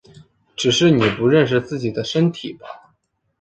只是你不认识自己的身体吧！